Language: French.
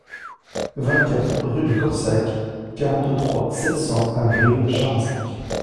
vingt-quatre rue de Corsac, quarante-trois, sept cents à Brives-Charensac